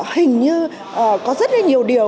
hình như có rất là nhiều điều